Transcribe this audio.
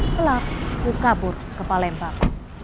pelaku kabur ke palembang